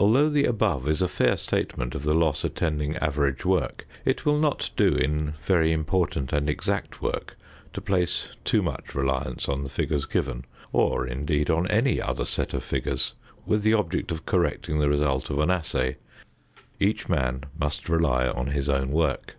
Although the above is a fair statement of the loss attending average work, it will not do in very important and exact work to place too much reliance on the figures given, or, indeed, on any other set of figures, with the object of correcting the result of an assay. Each man must rely on his own work.